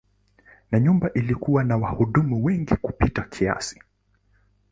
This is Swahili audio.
Na nyumba ilikuwa na wahudumu wengi kupita kiasi.